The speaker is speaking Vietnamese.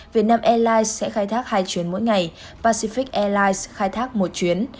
việt nam airlines sẽ khai thác hai chuyến mỗi ngày pacific airlines khai thác một chuyến